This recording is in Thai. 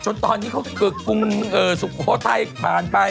ช่วงตอนนี้เขากึกกุงศุภาษาไทยผ่านไป